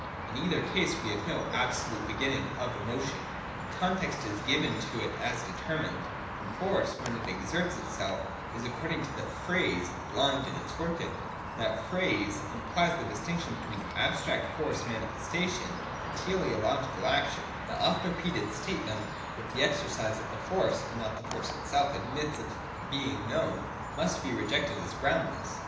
In either case we have no absolute beginning of motion. Force is not as yet, like the final cause, inherently self determining : the content is given to it as determined, and force, when it exerts itself, is, according to the phrase, blind in its working. That phrase implies the distinction betw^een abstract force manifestation and teleological action. (2) The oft repeated statement, that the exercise of the force and not the force itself admits of being known, must be rejected as groundless.